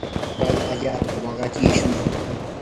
pay allaapa waqalishun.